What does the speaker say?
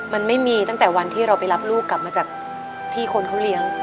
มันไม่มีตั้งแต่วันที่เราไปรับลูกกลับมาจากที่คนเขาเลี้ยง